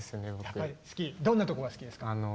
どんなとこが好きですか？